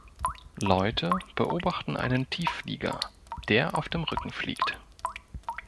Leute beobachten einen Tiefflieger, der auf dem Rücken fliegt